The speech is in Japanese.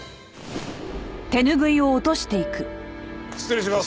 失礼します！